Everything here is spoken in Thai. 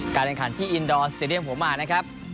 การแข่งขันที่อินดอร์สเตรียมหัวมานะครับ